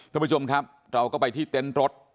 ท่านผู้ชมครับเราก็ไปที่เต็นต์รถ